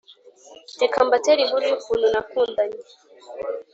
Reka mbatere inkuru yukuntu nakundanye